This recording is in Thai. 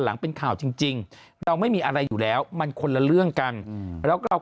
หลังเป็นข่าวจริงเราไม่มีอะไรอยู่แล้วมันคนละเรื่องกันแล้วก็เรา